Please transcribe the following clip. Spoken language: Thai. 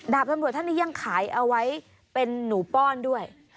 ตำรวจท่านนี้ยังขายเอาไว้เป็นหนูป้อนด้วย